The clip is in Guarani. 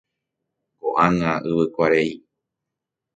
Ko'ág̃a yvykuarei.